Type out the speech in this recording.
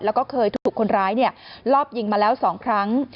แล้วก็เคยถูกคนร้ายเนี่ยรอบยิงมาแล้วสองครั้ง